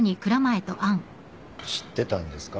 知ってたんですか？